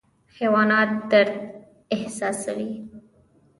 حیوانات درد احساسوي